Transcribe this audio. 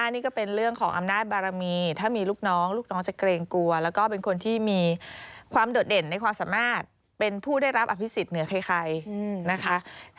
นี่ก็เป็นเรื่องของอำนาจบารมีถ้ามีลูกน้องลูกน้องจะเกรงกลัวแล้วก็เป็นคนที่มีความโดดเด่นในความสามารถเป็นผู้ได้รับอภิษฎเหนือใครนะคะ